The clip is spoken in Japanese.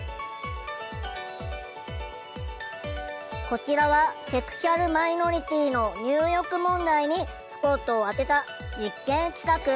こちらはセクシュアルマイノリティーの入浴問題にスポットを当てた実験企画。